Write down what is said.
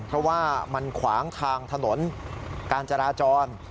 เพราะว่ามันขวางทางถนนการจราจร